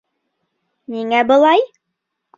Ниңә былай?